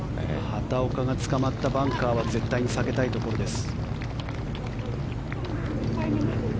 畑岡がつかまったバンカーは絶対に避けたいところです。